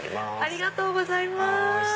ありがとうございます。